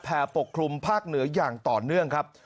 ปกคลุมภาคเหนืออย่างต่อเนื่องครับ